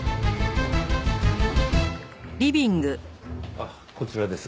あっこちらです。